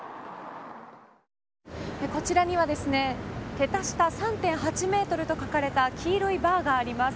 こちらには桁下３．８ｍと書かれた黄色いバーがあります。